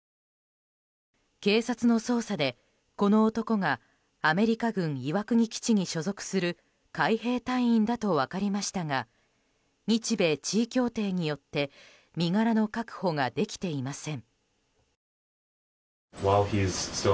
警察の捜査で、この男がアメリカ軍岩国基地に所属する海兵隊員だと分かりましたが日米地位協定によって身柄の確保ができていません。